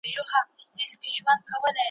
د دنیا په هیڅ ځای کي ,